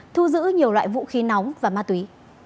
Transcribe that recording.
thu giữ nhiều loại vũ khí nóng và ma túy